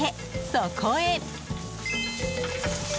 そこへ。